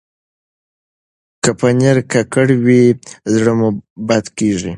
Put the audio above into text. که پنېر ککړ وي، زړه مو بد کېږي.